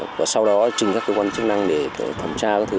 và sau đó chỉnh các cơ quan chức năng để thẩm tra các thứ